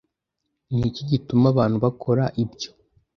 Ni iki gituma abantu bakora ibyo